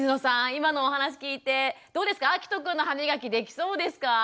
今のお話聞いてどうですかあきとくんの歯みがきできそうですか？